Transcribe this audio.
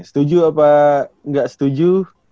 setuju apa gak setuju